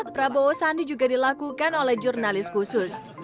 prabowo sandi juga dilakukan oleh jurnalis khusus